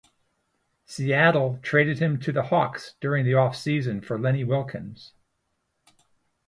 Seattle traded him to the Hawks during the off-season for Lenny Wilkens.